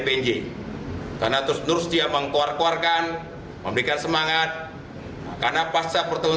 pnj karena terus terus dia mengkuar kuarkan memberikan semangat karena pasca pertemuan